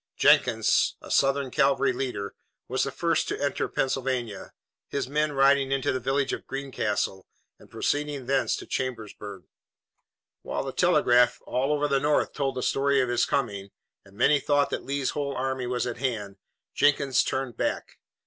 Jenkins, a Southern cavalry leader, was the first to enter Pennsylvania, his men riding into the village of Greencastle, and proceeding thence to Chambersburg. While the telegraph all over the North told the story of his coming, and many thought that Lee's whole army was at hand, Jenkins turned back.